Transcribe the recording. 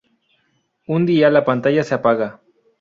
Un día la pantalla se apaga.